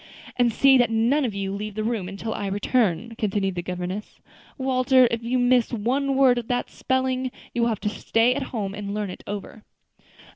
"And see that none of you leave the room until I return," continued the governess. "Walter, if you miss one word of that spelling, you will have to stay at home and learn it over."